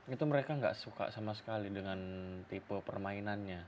itu mereka nggak suka sama sekali dengan tipe permainannya